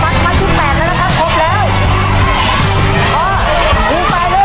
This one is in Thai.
ภายในเวลา๓นาที